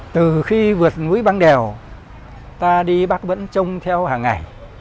từ khi vượt núi băng đèo ta đi bác vẫn trông theo hàng ngày